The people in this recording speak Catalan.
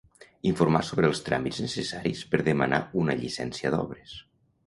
Informar sobre els tràmits necessaris per demanar una llicència d'obres.